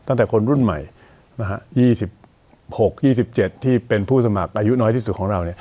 ตั้งแต่คนรุ่นใหม่๒๖๒๗ที่เป็นผู้สมัครอายุน้อยที่สุดของเรา